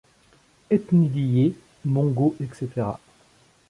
Ethnie liée: Mongo etc.